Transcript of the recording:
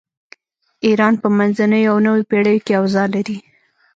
ایران په منځنیو او نویو پیړیو کې اوضاع لري.